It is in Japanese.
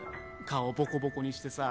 顔ボコボコにしてさ